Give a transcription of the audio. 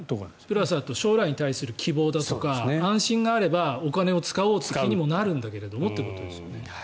プラス将来に対する希望だとか安心があればお金を使おうという気にもなるんだけどもってことですよね。